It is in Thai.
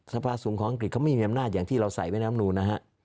สภาสูงของอังกฤษเขาไม่มีอำนาจอย่างที่เราใส่แม่น้ำนูนนะฮะ